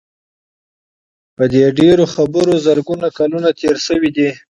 په دې ډېرو خبرو زرګونه کلونه تېر شوي دي.